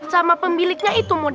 hai e jaik zaten